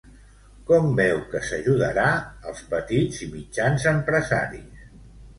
Com veu que s'ajudarà als petits i mitjans empresaris?